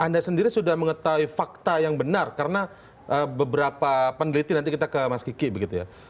anda sendiri sudah mengetahui fakta yang benar karena beberapa peneliti nanti kita ke mas kiki begitu ya